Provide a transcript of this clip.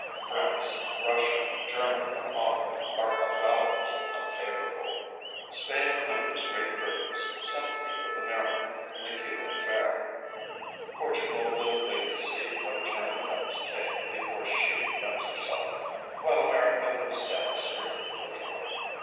France, Russia, Germany and Holland are avowedly unfavourable; Spain remembers Great Britain's sympathy with America in the Cuban affair; Portugal will wait to see what turn events take before she commits herself; while America will stand strictly neutral.